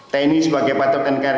tni sebagai patut dan kerry